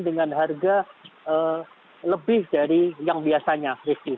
dengan harga lebih dari yang biasanya